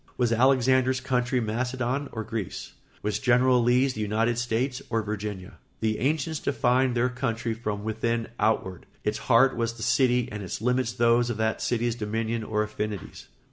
Was Alexander's country Macedon or Greece? Was General Lee's the United States or Virginia? The ancients defined their country from within outward; its heart was the city and its limits those of that city's dominion or affinities.